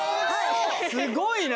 すごいな！